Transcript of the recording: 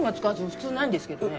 普通ないんですけどね